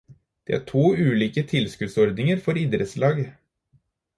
Det er to ulike tilskuddsordninger for idrettslag